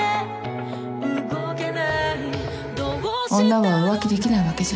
女は浮気できないわけじゃない。